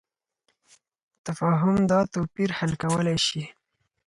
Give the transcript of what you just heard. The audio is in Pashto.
تفاهم دا توپیر حل کولی شي.